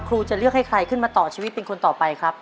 จะเลือกให้ใครขึ้นมาต่อชีวิตเป็นคนต่อไปครับ